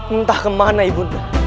entah kemana ibu